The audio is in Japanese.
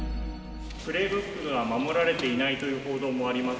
プレーブックは守られていないという報道もあります。